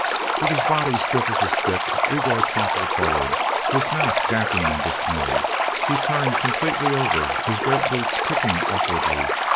With his body stiff as a stick, Igor toppled forward, his mouth gaping in dismay. He turned completely over, his great boots kicking awkwardly.